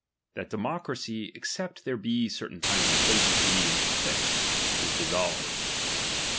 That democracy, escept there^^ bo certain times and places of meeting prefixed, is dissolved— 6.